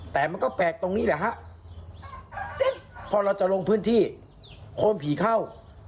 แต่มันก็แปลกตรงนี้แหละฮะพอเราจะลงพื้นที่โคนผีเข้า